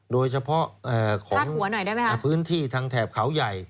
โดยเฉพาะของพื้นที่ทางแถบเขาใหญ่